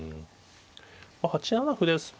まあ８七歩ですと。